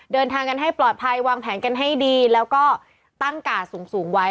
เดินทางกันให้ปลอดภัยวางแผนกันให้ดีแล้วก็ตั้งกาดสูงสูงไว้